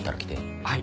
はい。